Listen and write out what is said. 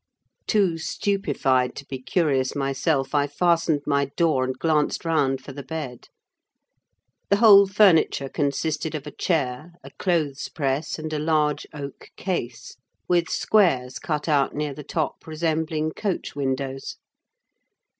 Too stupefied to be curious myself, I fastened my door and glanced round for the bed. The whole furniture consisted of a chair, a clothes press, and a large oak case, with squares cut out near the top resembling coach windows.